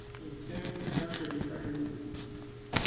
应天府乡试第三十五名。